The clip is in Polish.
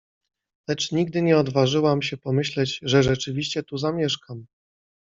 Lecz nigdy nie odważyłam się pomyśleć, że rzeczywiście tu zamieszkam.